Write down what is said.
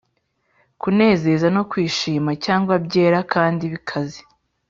kunezeza no kwishima, cyangwa byera kandi bikaze,